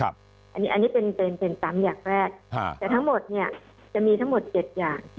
อันนี้เป็นซ้ำอย่างแรกแต่ทั้งหมดเนี่ยจะมีทั้งหมด๗อย่าง